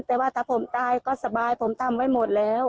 แต่ว่าถ้าผมตายก็สบายผมทำไว้หมดแล้ว